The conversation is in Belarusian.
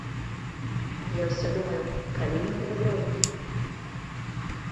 А я ўсё думаю, калі ён гэта зробіць?